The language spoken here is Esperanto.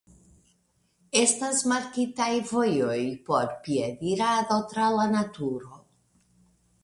Estas markitaj vojoj por piedirado tra la naturo.